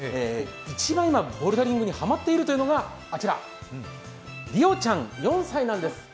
一番今、ボルダリングにハマっているというのが莉央ちゃん４歳なんです。